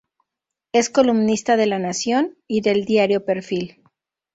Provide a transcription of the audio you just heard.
Es columnista de La Nación y del diario Perfil.